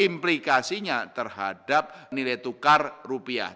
implikasinya terhadap nilai tukar rupiah